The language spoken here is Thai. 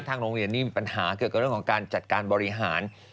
ทั้งโรงเรียนมีปัญหาเกี่ยวกับการจัดการบริหาร